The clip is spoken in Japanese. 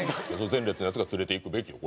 前列のヤツが連れていくべきよ